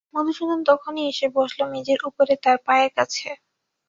মধুসূদন তখনই এসে বসল মেজের উপরে তার পায়ের কাছে।